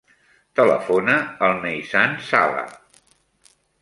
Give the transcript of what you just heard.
Telefona al Neizan Sala.